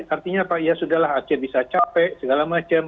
artinya ya sudah lah ac bisa capek segala macam